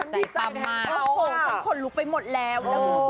จะตามมา๓คนลุกไปหมดแล้ว